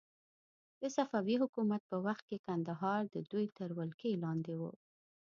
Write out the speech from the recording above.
د صفوي حکومت په وخت کې کندهار د دوی تر ولکې لاندې و.